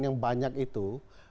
yang banyak itu